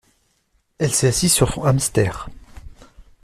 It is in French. Elle s'est assise sur son hamster.